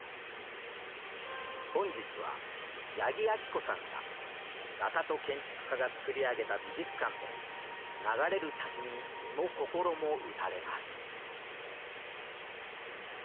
本日は八木亜希子さんが画家と建築家が造り上げた美術館で流れる滝に身も心も打たれます。